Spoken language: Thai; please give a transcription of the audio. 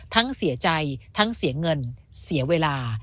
เสียใจทั้งเสียเงินเสียเวลา